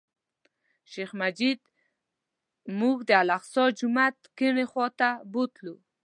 شیخ مجید موږ د الاقصی جومات کیڼې خوا ته بوتللو.